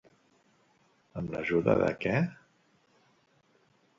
Amb l'ajuda de què?